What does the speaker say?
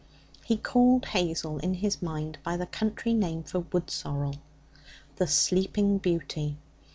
He called Hazel in his mind by the country name for wood sorrel the Sleeping Beauty.